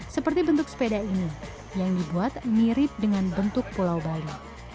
seperti bentuk sepeda ini yang dibuat mirip dengan bentuk pulau bali